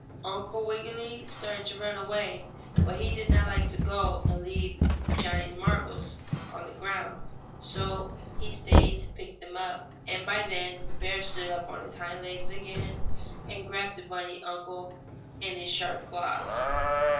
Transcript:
Uncle Wiggily started to run away, but he did not like to go and leave Johnnie's marbles on the ground, so he stayed to pick them up, and by then the bear stood up on his hind legs again, and grabbed the bunny uncle in his sharp claws.